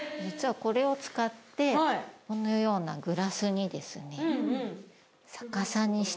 実はこれを使ってこのようなグラスにですね。